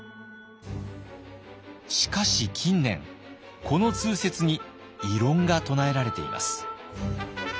しかし近年この通説に異論が唱えられています。